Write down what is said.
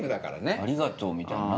「ありがとう」みたいのないんだ。